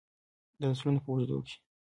د نسلونو په اوږدو کې.